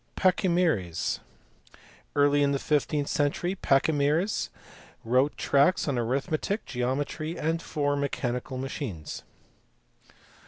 Pachymeres. Early in the fifteenth century Pachymeres wrote tracts on arithmetic, geometry, and four mechanical machines.